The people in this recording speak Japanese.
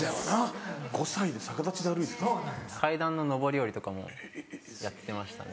階段の上り下りとかもやってましたね。